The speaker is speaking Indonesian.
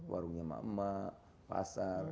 warungnya mak mak pasar